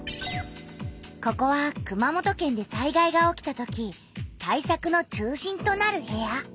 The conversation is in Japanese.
ここは熊本県で災害が起きたとき対策の中心となる部屋。